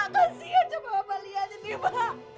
kasian cuma balik aja nih pak